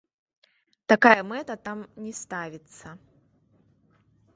Такая мэта там не ставіцца.